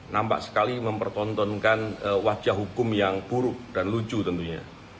nampak sekali mempertontonkan wajah hukum yang buruk dan lucu tentunya